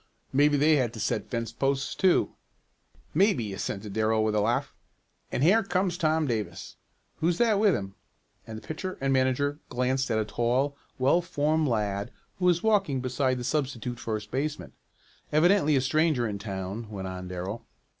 "Maybe they had to set fence posts too." "Maybe," assented Darrell with a laugh. "And here comes Tom Davis. Who's that with him?" and the pitcher and manager glanced at a tall, well formed lad who was walking beside the substitute first baseman. "Evidently a stranger in town," went on Darrell.